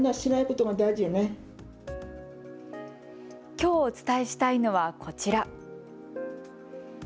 きょうお伝えしたいのは、こちら。